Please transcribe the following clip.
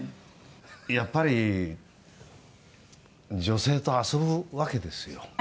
「やっぱり女性と遊ぶわけですよ」